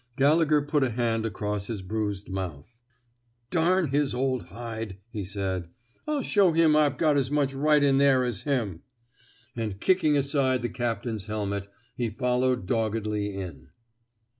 Gallegher put a hand across his bruised mouth. ^^ Dam his old hide," he said; I'll show him I got 's much right in there as 237 THE SMOKE EATERS him; '* and kickiiig aside the captain's hel met, he followed doggedly in.